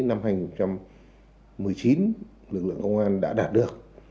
năm hai nghìn một mươi chín lực lượng công an đã đạt được